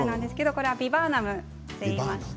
これはビバーナムといいます。